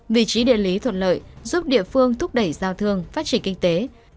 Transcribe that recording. vị trí địa lý thuận lợi giúp địa phương thúc đẩy giao thương phát triển kinh tế